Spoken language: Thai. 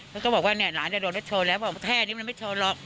แล้วก็บอกว่าเนี้ยหลานเรียบโดรนไม่โชนแล้วแค่อันนี้มันไม่โชนหรอก